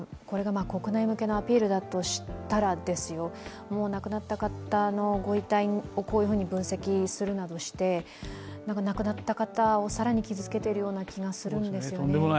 これが国内向けのアピールだとしたらですよ、亡くなった方のご遺体を分析するなどして、亡くなった方を更に傷つけているような気がするんですね。